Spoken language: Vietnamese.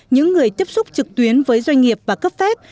những người tiếp xúc trực tuyến với doanh nghiệp và cấp phép